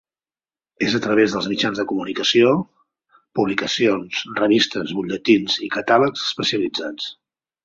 És a través dels mitjans de comunicació, publicacions, revistes, butlletins i catàlegs especialitzats.